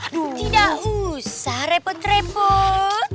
tidak usah repot repot